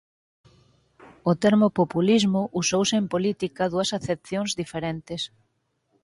O termo populismo usouse en política dúas acepcións diferentes.